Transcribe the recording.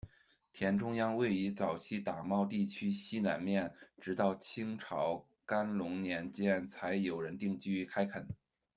田中央位于早期打猫地区西南面，直到清朝干隆年间才有人定居开垦。